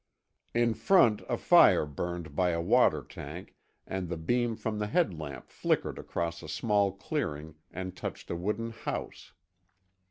In front a fire burned by a water tank and the beam from the headlamp flickered across a small clearing and touched a wooden house.